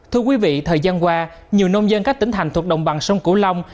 thưa quý vị thời gian qua nhiều nông dân các tỉnh thành thuộc đồng bằng sông cửu long